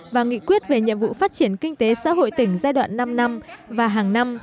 và nghị quyết về nhiệm vụ phát triển kinh tế xã hội tỉnh giai đoạn năm năm và hàng năm